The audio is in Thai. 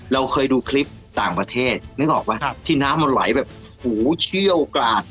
เราเคยดูคลิปต่างประเทศนึกออกป่ะที่น้ำมันไหลแบบหูเชี่ยวกราด